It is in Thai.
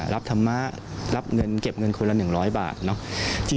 ธรรมะรับเงินเก็บเงินคนละ๑๐๐บาทเนาะ